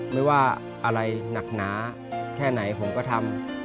ไม่ว่าอะไรหนักหนาแค่ไหนผมก็ทำ